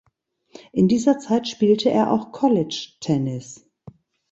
In dieser Zeit spielte er auch College Tennis.